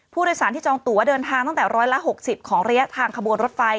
ผู้โดยสารที่จองตัวเดินทางตั้งแต่๑๖๐ของระยะทางขบวนรถไฟ